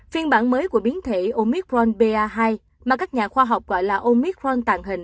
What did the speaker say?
phiên bản mới của biến thể omicron ba hai mà các nhà khoa học gọi là omicron tàn hình